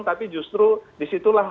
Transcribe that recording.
tapi justru disitulah